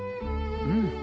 うん。